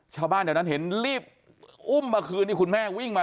ชาวบ้านแถวนั้นเห็นรีบอุ้มมาคืนที่คุณแม่วิ่งมา